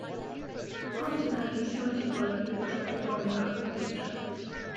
After that he started working with the Tropibomba Orchestra.